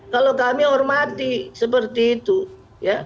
kalau kami hormati seperti itu ya